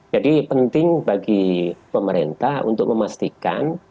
jadi penting bagi pemerintah untuk memastikan